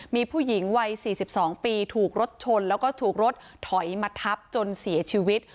มีผู้หญิงวัย๔๒ปีถูกรถชนแล้วก็ถูกรถถอยมาทับจนเสียชีวิต